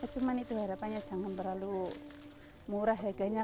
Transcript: cuma itu harapannya jangan terlalu murah harganya